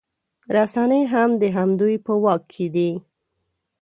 رسنۍ هم د همدوی په واک کې دي